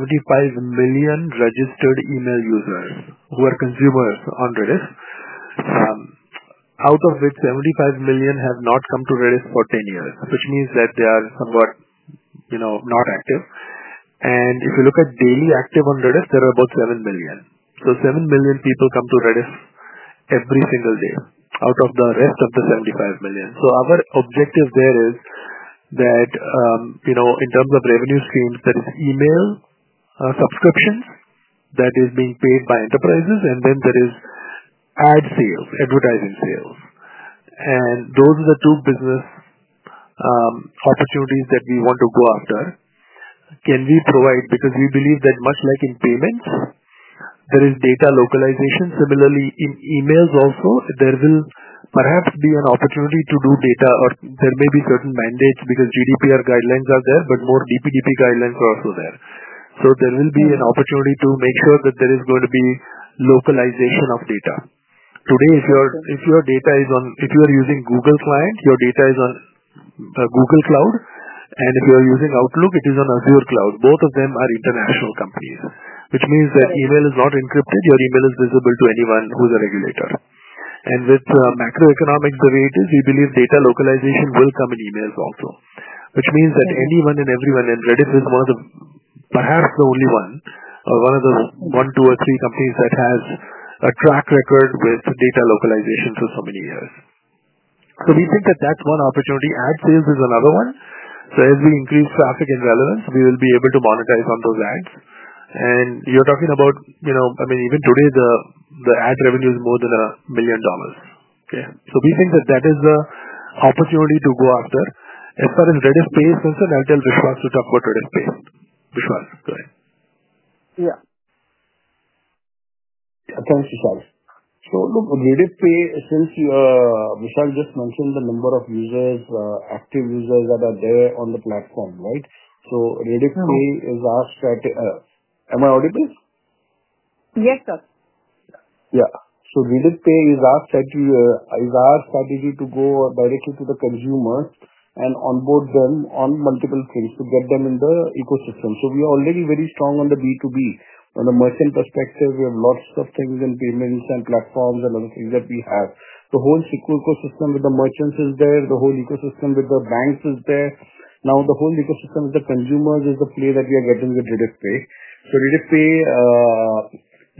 175 million registered email users who are consumers on Rediff, out of which 75 million have not come to Rediff for 10 years, which means that they are somewhat not active. If you look at daily active on Rediff, there are about 7 million. 7 million people come to Rediff every single day out of the rest of the 75 million. Our objective there is that in terms of revenue streams, there is email subscriptions that are being paid by enterprises, and then there is ad sales, advertising sales. Those are the two business opportunities that we want to go after. Can we provide? Because we believe that much like in payments, there is data localization. Similarly, in emails also, there will perhaps be an opportunity to do data, or there may be certain mandates because GDPR guidelines are there, but more DPDP guidelines are also there. There will be an opportunity to make sure that there is going to be localization of data. Today, if your data is on, if you are using Google Client, your data is on Google Cloud. If you are using Outlook, it is on Azure Cloud. Both of them are international companies, which means that email is not encrypted. Your email is visible to anyone who's a regulator. With macroeconomics the way it is, we believe data localization will come in emails also, which means that anyone and everyone in Rediff is one of the perhaps the only one or one of the one, two, or three companies that has a track record with data localization for so many years. We think that that's one opportunity. Ad sales is another one. As we increase traffic and relevance, we will be able to monetize on those ads. I mean, even today, the ad revenue is more than $1 million. We think that that is the opportunity to go after. As far as Rediff Pay is concerned, I'll tell Vishwas to talk about Rediff Pay. Vishwas, go ahead. Yeah. Thanks, Vishal. Look, Rediff Pay, since Vishal just mentioned the number of users, active users that are there on the platform, right? Rediff Pay is our strategy. Am I audible? Yes, sir. Yeah. Rediff Pay is our strategy to go directly to the consumers and onboard them on multiple things to get them in the ecosystem. We are already very strong on the B2B. From the merchant perspective, we have lots of things in payments and platforms and other things that we have. The whole SQL ecosystem with the merchants is there. The whole ecosystem with the banks is there. Now, the whole ecosystem with the consumers is the play that we are getting with Rediff Pay.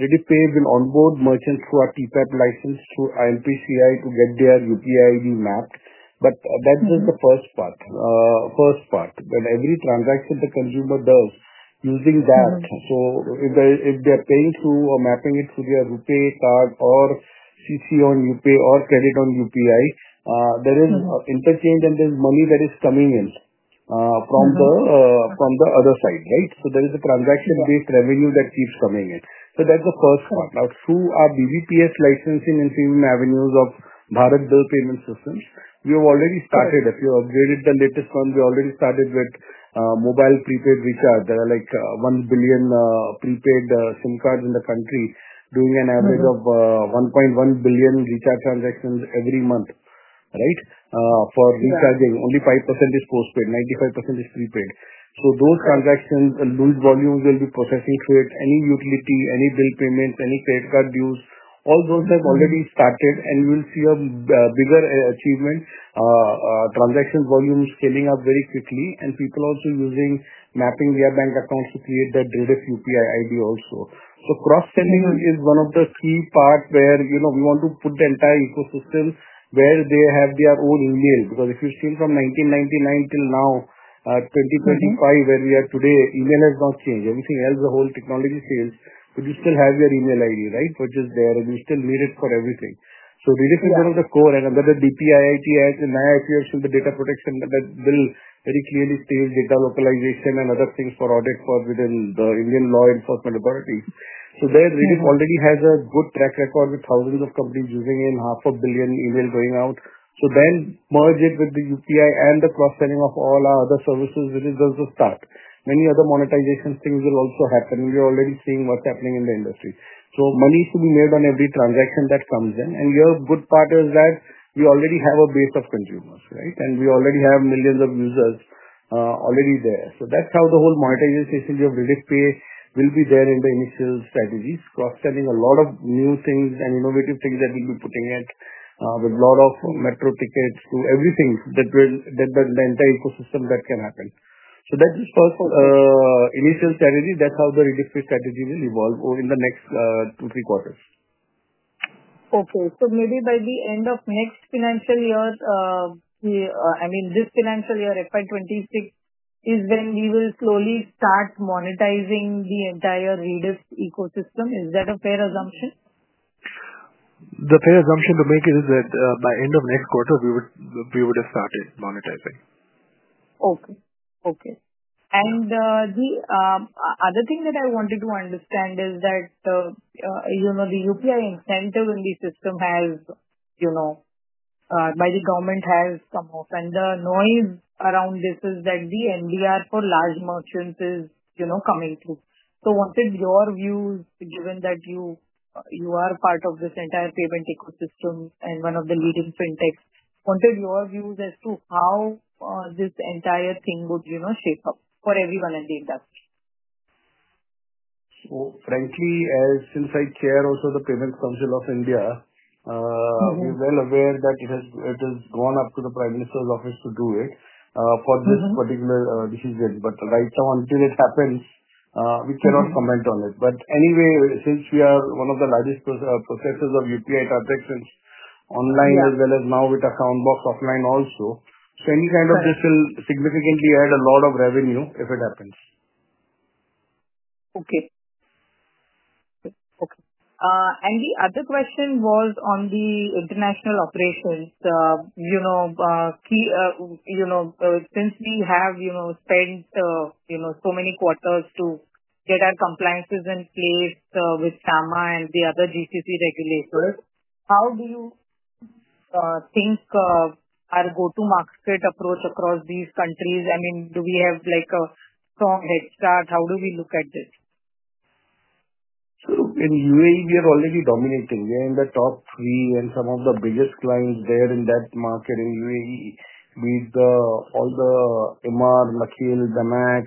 Rediff Pay will onboard merchants through our TPAP license through NPCI to get their UPI ID mapped. That's just the first part. First part. Every transaction the consumer does using that, if they're paying through or mapping it through their RuPay card or CC on UPI or credit on UPI, there is interchange and there's money that is coming in from the other side, right? There is a transaction-based revenue that keeps coming in. That's the first part. Now, through our BVPS licensing and premium avenues of Bharat Bill Payment Systems, we have already started. If you upgraded the latest one, we already started with mobile prepaid recharge. There are like 1 billion prepaid SIM cards in the country doing an average of 1.1 billion recharge transactions every month, right, for recharging. Only 5% is postpaid. 95% is prepaid. Those transactions, those volumes will be processing through it. Any utility, any bill payments, any credit card dues, all those have already started, and we will see a bigger achievement, transaction volume scaling up very quickly, and people also using mapping their bank accounts to create that Rediff UPI ID also. Cross-selling is one of the key parts where we want to put the entire ecosystem where they have their own email. If you've seen from 1999 till now, 2025, where we are today, email has not changed. Everything else, the whole technology sales, but you still have your email ID, right, which is there, and you still need it for everything. Rediff is one of the core. Another DPI IT adds in my IT actually, the data protection that will very clearly stage data localization and other things for audit within the Indian law enforcement authority. Rediff already has a good track record with thousands of companies using it and half a billion email going out. Then merge it with the UPI and the cross-selling of all our other services, which is just the start. Many other monetization things will also happen. We are already seeing what's happening in the industry. Money should be made on every transaction that comes in. Your good part is that we already have a base of consumers, right? We already have millions of users already there. That's how the whole monetization strategy of Rediff Pay will be there in the initial strategies, cross-selling a lot of new things and innovative things that we'll be putting in with a lot of metro tickets to everything that the entire ecosystem that can happen. That's the first initial strategy. That's how the Rediff Pay strategy will evolve in the next two, three quarters. Okay. So maybe by the end of next financial year, I mean, this financial year, FY 2026, is when we will slowly start monetizing the entire Rediff ecosystem. Is that a fair assumption? The fair assumption to make it is that by end of next quarter, we would have started monetizing. Okay. Okay. The other thing that I wanted to understand is that the UPI incentive in the system by the government has come off. The noise around this is that the MDR for large merchants is coming through. What is your view, given that you are part of this entire payment ecosystem and one of the leading fintechs? What are your views as to how this entire thing would shape up for everyone in the industry? Frankly, since I chair also the Payments Council of India, we're well aware that it has gone up to the Prime Minister's Office to do it for this particular decision. Right now, until it happens, we cannot comment on it. Anyway, since we are one of the largest processors of UPI transactions online as well as now with AccountBox offline also, any kind of this will significantly add a lot of revenue if it happens. Okay. Okay. The other question was on the international operations. Since we have spent so many quarters to get our compliances in place with SAMA and the other GCC regulators, how do you think our go-to-market approach is across these countries? I mean, do we have a strong head start? How do we look at this? In UAE, we are already dominating. We are in the top three and some of the biggest clients there in that market in UAE with all the Emir, Nakheel, DAMAC.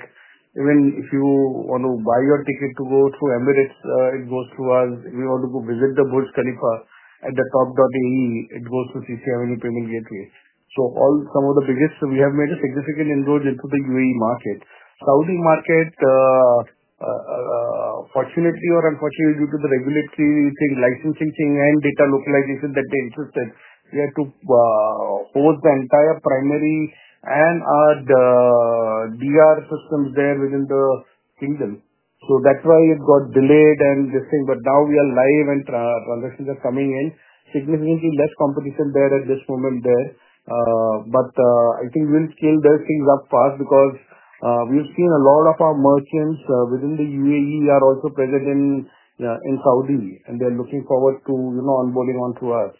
Even if you want to buy your ticket to go through Emirates, it goes to us. If you want to go visit the Burj Khalifa at the top, it goes to CC Avenue and the payment gateway. Some of the biggest, we have made a significant indulge into the UAE market. Saudi market, fortunately or unfortunately, due to the regulatory thing, licensing thing, and data localization that they insisted, we had to host the entire primary and our DR systems there within the kingdom. That is why it got delayed and this thing. Now we are live, and transactions are coming in. Significantly less competition there at this moment there. I think we'll scale those things up fast because we've seen a lot of our merchants within the UAE are also present in Saudi, and they're looking forward to onboarding onto us.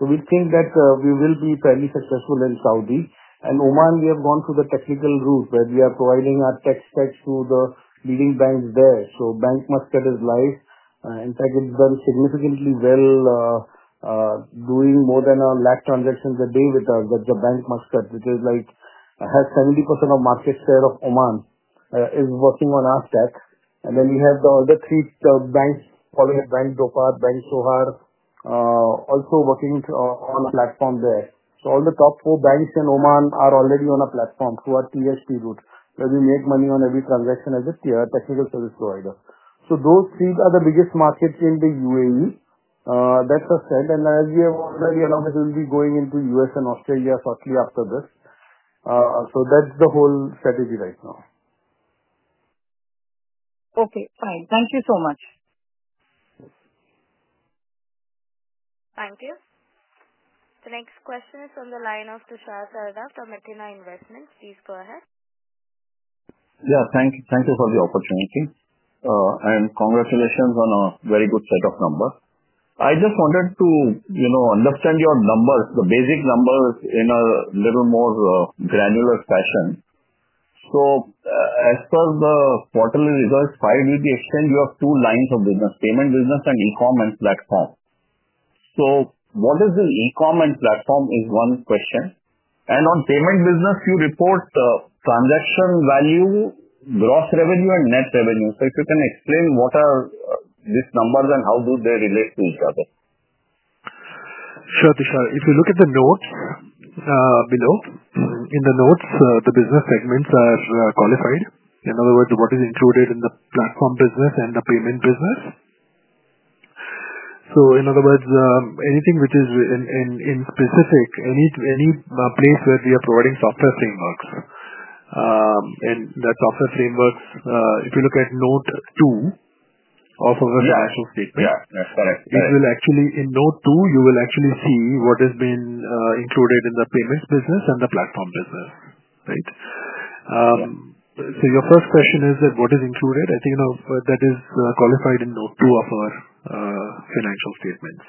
We think that we will be fairly successful in Saudi. In Oman, we have gone through the technical route where we are providing our tech stacks to the leading banks there. Bank Muscat is live. In fact, it's done significantly well, doing more than 100,000 transactions a day with us. That's Bank Muscat, which has 70% of market share of Oman, working on our stack. We have the other three banks following: Bank Dhofar, Bank Sohar, also working on a platform there. All the top four banks in Oman are already on a platform through our TSP route, where we make money on every transaction as a technical service provider. Those three are the biggest markets in the UAE. That is a set. As we have already announced, we will be going into the U.S. and Australia shortly after this. That is the whole strategy right now. Okay. Fine. Thank you so much. Thank you. The next question is on the line of Tushar Sarda from Athena Investments. Please go ahead. Yeah. Thank you for the opportunity. Congratulations on a very good set of numbers. I just wanted to understand your numbers, the basic numbers in a little more granular fashion. As per the quarterly results, five-week exchange, you have two lines of business: payment business and e-comm and platform. What is the e-comm and platform is one question. On payment business, you report transaction value, gross revenue, and net revenue. If you can explain what are these numbers and how do they relate to each other? Sure, Tushar. If you look at the notes below, in the notes, the business segments are qualified. In other words, what is included in the platform business and the payment business. In other words, anything which is in specific, any place where we are providing software frameworks. And that software frameworks, if you look at note two of our financial statement, it will actually in note two, you will actually see what has been included in the payments business and the platform business, right? Your first question is that what is included? I think that is qualified in note two of our financial statements.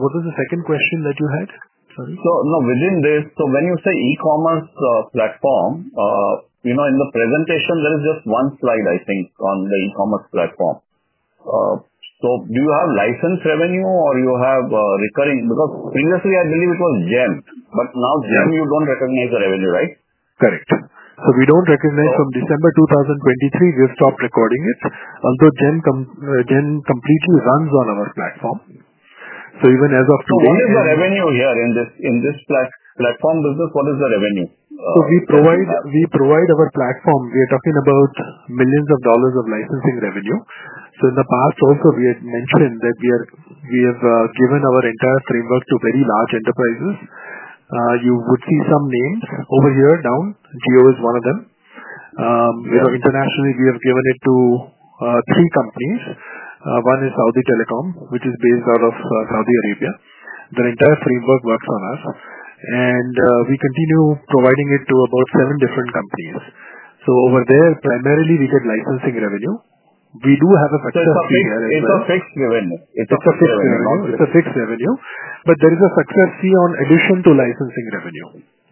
What was the second question that you had? Sorry. Now within this, when you say e-commerce platform, in the presentation, there is just one slide, I think, on the e-commerce platform. Do you have license revenue or do you have recurring? Because previously, I believe it was Gem. Now, Gem, you do not recognize the revenue, right? Correct. So we do not recognize from December 2023, we have stopped recording it. Although Gem completely runs on our platform. So even as of today. What is the revenue here in this platform business? What is the revenue? We provide our platform. We are talking about millions of dollars of licensing revenue. In the past, also, we had mentioned that we have given our entire framework to very large enterprises. You would see some names over here down. Jio is one of them. Internationally, we have given it to three companies. One is Saudi Telecom, which is based out of Saudi Arabia. The entire framework works on us. We continue providing it to about seven different companies. Over there, primarily, we get licensing revenue. We do have a success fee there as well. It's a fixed revenue. It's a fixed revenue. It's a fixed revenue. There is a success fee in addition to licensing revenue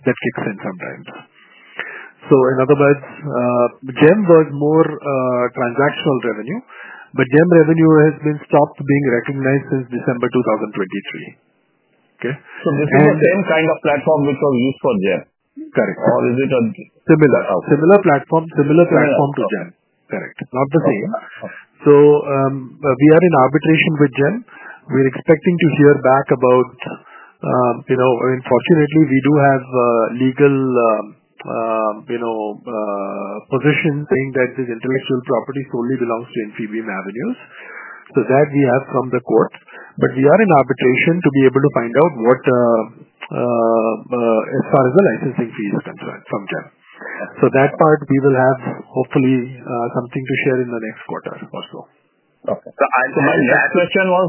that kicks in sometimes. In other words, Gem was more transactional revenue. Gem revenue has been stopped being recognized since December 2023. Okay? Is this the same kind of platform which was used for Gem? Correct. Or is it a? Similar platform. Similar platform to Gem. Correct. Not the same. We are in arbitration with Gem. We're expecting to hear back about, I mean, fortunately, we do have legal position saying that this intellectual property solely belongs to Infibeam Avenues. That we have from the court. We are in arbitration to be able to find out what, as far as the licensing fee is concerned, from Gem. That part, we will have hopefully something to share in the next quarter or so. Okay. So my last question was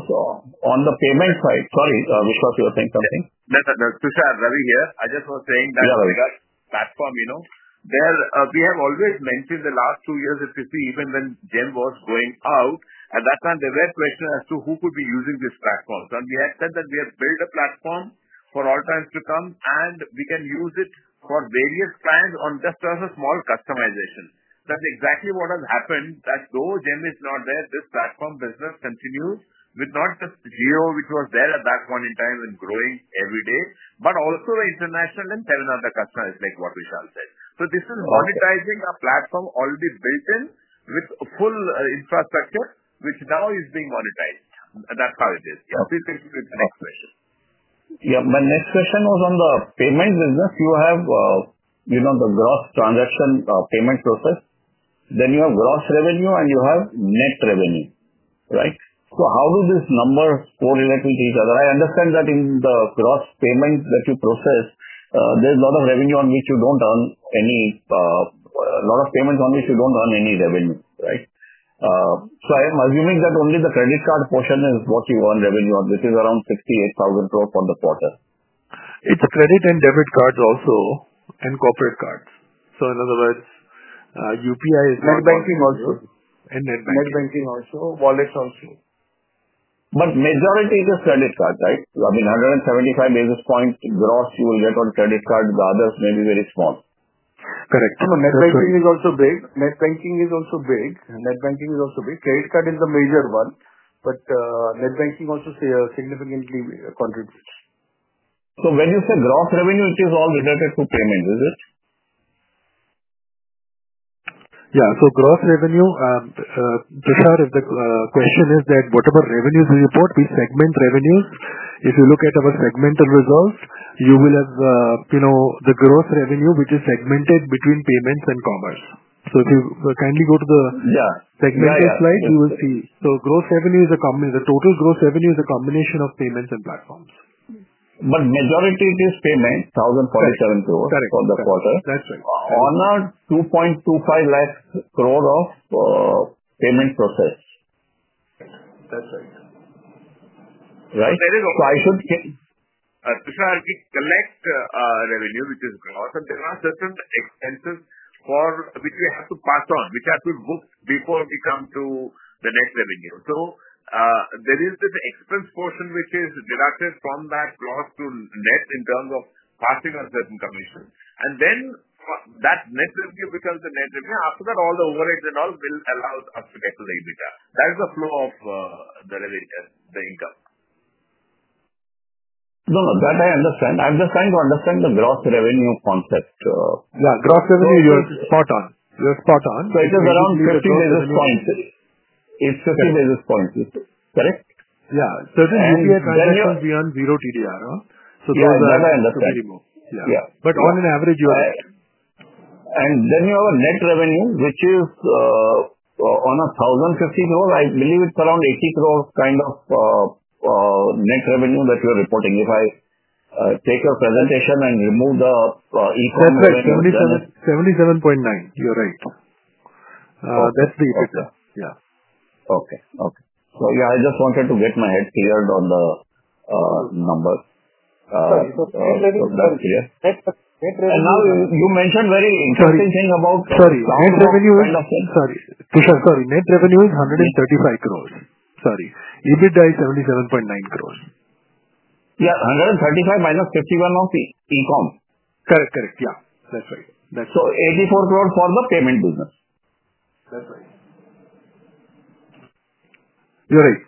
on the payment side. Sorry, Vishwas, you were saying something. No, no, no. Tushar, Ravi here. I just was saying that platform, we have always mentioned the last two years, if you see, even when Gem was going out, at that time, there were questions as to who could be using this platform. We had said that we have built a platform for all times to come, and we can use it for various clients on just a small customization. That is exactly what has happened. Though Gem is not there, this platform business continues with not just GEO, which was there at that point in time and growing every day, but also the international and seven other customers, like what Vishal said. This is monetizing a platform already built in with full infrastructure, which now is being monetized. That is how it is. Please continue with the next question. Yeah. My next question was on the payment business. You have the gross transaction payment process. Then you have gross revenue, and you have net revenue, right? How do these numbers correlate with each other? I understand that in the gross payment that you process, there is a lot of revenue on which you do not earn any, a lot of payments on which you do not earn any revenue, right? I am assuming that only the credit card portion is what you earn revenue on, which is around 68,000 crore for the quarter. It's credit and debit cards also and corporate cards. In other words, UPI is not. Net banking also. Net banking. Net banking also. Wallet also. Majority is just credit card, right? I mean, 175 basis points gross you will get on credit card. The others may be very small. Correct. Net banking is also big. Credit card is the major one. Net banking also significantly contributes. When you say gross revenue, it is all related to payment, is it? Yeah. So gross revenue, Tushar, if the question is that whatever revenues we report, we segment revenues. If you look at our segmental results, you will have the gross revenue, which is segmented between payments and commerce. If you kindly go to the segmented slide, you will see. Gross revenue is a total gross revenue, is a combination of payments and platforms. Majority is payment. 1,047 crore for the quarter. That's right. On a 2.25 trillion of payment process. That's right. Right? Tushar, we collect revenue, which is gross, and there are certain expenses which we have to pass on, which have to be booked before we come to the net revenue. There is this expense portion which is deducted from that gross to net in terms of passing on certain commission. That net revenue becomes the net revenue. After that, all the overheads and all will allow us to get to the EBITDA. That is the flow of the income. No, that I understand. I'm just trying to understand the gross revenue concept. Yeah. Gross revenue, you're spot on. You're spot on. So it is around 15 basis points. It's 15 basis points. Correct? Yeah. Certain UPI transactions beyond zero TDR, huh? So those are very low. Yeah. That I understand. Yeah. On an average, you are. You have a net revenue, which is on a 1,050 crore, I believe it's around 80 crore kind of net revenue that you are reporting. If I take your presentation and remove the e-comm revenue. That's 77.9. You're right. That's the EBITDA. Okay. Okay. So yeah, I just wanted to get my head cleared on the number. Sorry. Net revenue is INR 135. You mentioned very interesting thing about. Sorry. Net revenue is. Sorry. Tushar, sorry. Net revenue is 135 crore. Sorry. EBITDA is 77.9 crore. Yeah. 135-51 of e-comm. Correct. Yeah. That's right. 84 crore for the payment business. You're right.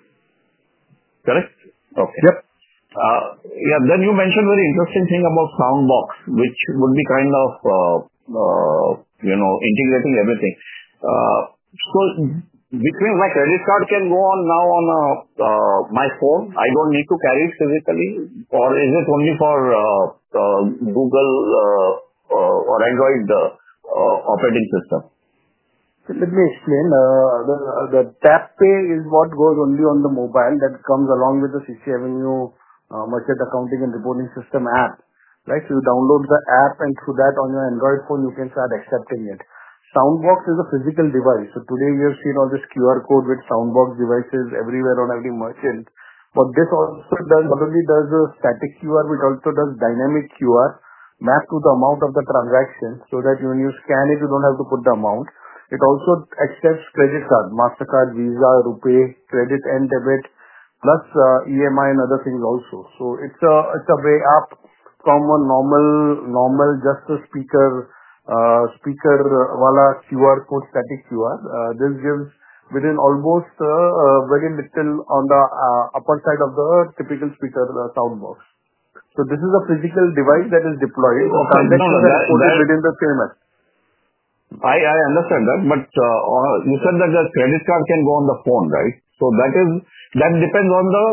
Correct? Yep. Yeah. Then you mentioned very interesting thing about Soundbox, which would be kind of integrating everything. So which means my credit card can go on now on my phone. I do not need to carry it physically. Or is it only for Google or Android operating system? Let me explain. The TapPay is what goes only on the mobile that comes along with the CCAvenue Merchant Accounting and Reporting System app, right? You download the app, and through that, on your Android phone, you can start accepting it. Soundbox is a physical device. Today, you have seen all this QR code with Soundbox devices everywhere on every merchant. This also not only does static QR, but it also does dynamic QR mapped to the amount of the transaction so that when you scan it, you do not have to put the amount. It also accepts credit card, MasterCard, Visa, RuPay, credit and debit, plus EMI and other things also. It is a way up from a normal just speaker wallah QR code, static QR. This gives within almost very little on the upper side of the typical speaker Soundbox. This is a physical device that is deployed. The transaction is put within the same app. I understand that. You said that the credit card can go on the phone, right? That depends on the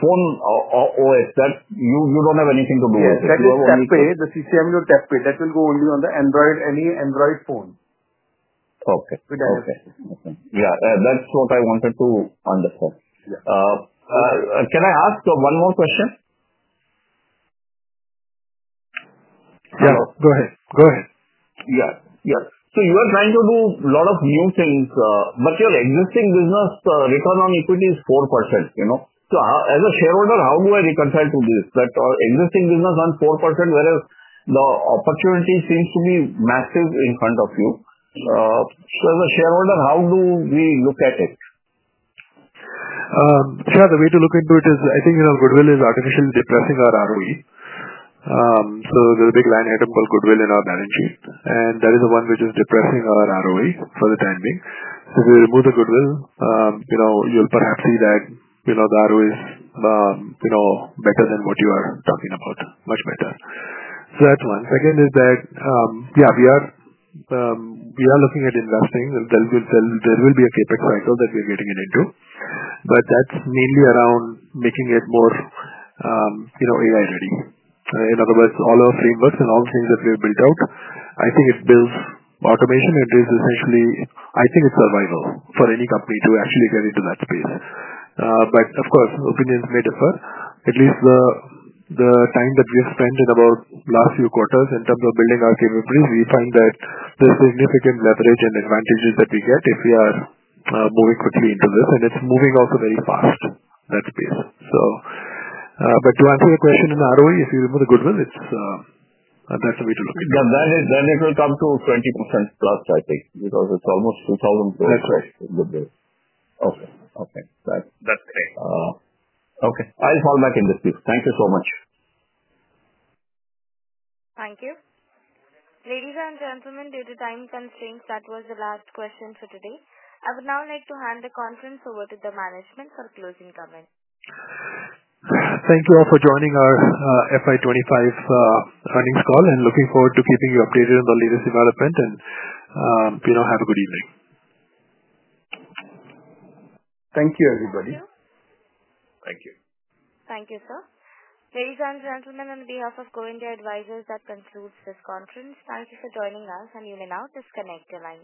phone OS that you do not have anything to do with. Yeah. That is TapPay. The CCAvenue TapPay, that will go only on the Android, any Android phone. Okay. Yeah. That's what I wanted to understand. Can I ask one more question? Yeah. Go ahead. Go ahead. Yeah. Yeah. You are trying to do a lot of new things. Your existing business return on equity is 4%. As a shareholder, how do I reconcile to this? The existing business is on 4%, whereas the opportunity seems to be massive in front of you. As a shareholder, how do we look at it? Tushar, the way to look into it is, I think Goodwill is artificially depressing our ROE. There is a big line item called Goodwill in our balance sheet. That is the one which is depressing our ROE for the time being. If you remove the Goodwill, you'll perhaps see that the ROE is better than what you are talking about, much better. That is one. Second is that, yeah, we are looking at investing. There will be a CapEx cycle that we are getting into. That is mainly around making it more AI-ready. In other words, all our frameworks and all the things that we have built out, I think it builds automation. It is essentially, I think it's survival for any company to actually get into that space. Of course, opinions may differ. At least the time that we have spent in about the last few quarters in terms of building our capabilities, we find that there's significant leverage and advantages that we get if we are moving quickly into this. It is moving also very fast, that space. To answer your question in ROE, if you remove the Goodwill, that's the way to look at it. Yeah. Then it will come to 20%+, I think, because it's almost 20 billion in Goodwill. Okay. Okay. That's correct. Okay. I'll fall back in this piece. Thank you so much. Thank you. Ladies and gentlemen, due to time constraints, that was the last question for today. I would now like to hand the conference over to the management for closing comments. Thank you all for joining our FY 2025 earnings call. I look forward to keeping you updated on the latest development. Have a good evening. Thank you, everybody. Thank you. Thank you, sir. Ladies and gentlemen, on behalf of Go India Advisors, that concludes this conference. Thank you for joining us. You may now disconnect online.